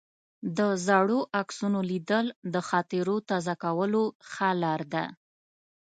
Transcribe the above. د زړو عکسونو لیدل د خاطرو تازه کولو ښه لار ده.